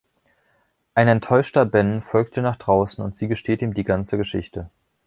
Ein enttäuschter Ben folgt ihr nach draußen und sie gesteht ihm die ganze Geschichte.